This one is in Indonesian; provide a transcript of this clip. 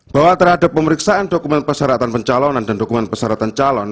bahwa terhadap pemeriksaan dokumen persyaratan pencalonan dan dukungan persyaratan calon